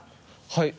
はい。